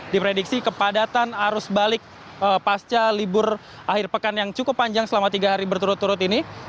diprediksi kepadatan arus balik pasca libur akhir pekan yang cukup panjang selama tiga hari berturut turut ini